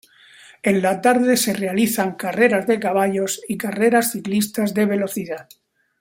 En la tarde se realizan carreras de caballos y carreras ciclistas de velocidad.